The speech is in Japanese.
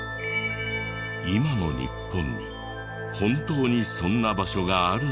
今の日本に本当にそんな場所があるのだろうか。